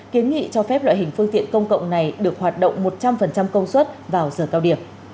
kiến nghị cho phép loại hình phương tiện công cộng này được hoạt động một trăm linh công suất vào giờ cao điểm